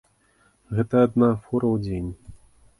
Гэта адна фура ў дзень.